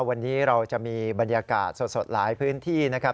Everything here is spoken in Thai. วันนี้เราจะมีบรรยากาศสดหลายพื้นที่นะครับ